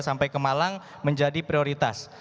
sampai ke malang menjadi prioritas